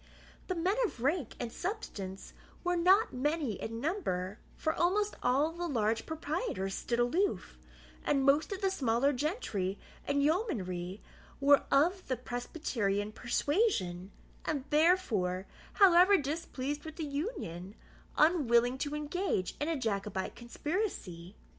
The men of rank and substance were not many in number; for almost all the large proprietors stood aloof, and most of the smaller gentry and yeomanry were of the Presbyterian persuasion, and therefore, however displeased with the Union, unwilling to engage in a Jacobite conspiracy.